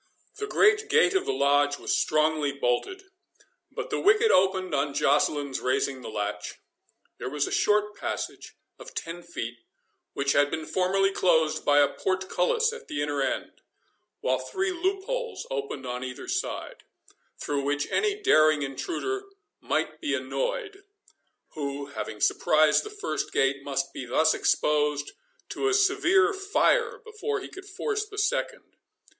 The great gate of the Lodge was strongly bolted, but the wicket opened on Joceline's raising the latch. There was a short passage of ten feet, which had been formerly closed by a portcullis at the inner end, while three loopholes opened on either side, through which any daring intruder might be annoyed, who, having surprised the first gate, must be thus exposed to a severe fire before he could force the second.